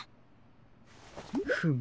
フム。